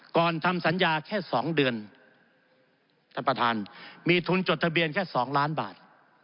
ทำสัญญาแค่๒เดือนท่านประธานมีทุนจดทะเบียนแค่๒ล้านบาท